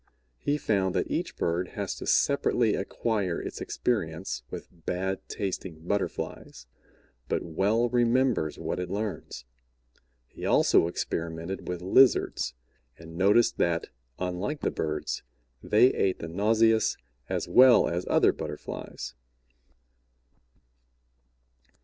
He found that each bird has to separately acquire its experience with bad tasting Butterflies, but well remembers what it learns. He also experimented with Lizards, and noticed that, unlike the birds, they ate the nauseous as well as other Butterflies.